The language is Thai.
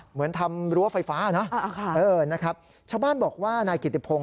เหมือนทำรั้วไฟฟ้านะนะครับชาวบ้านบอกว่านายกิติพงศ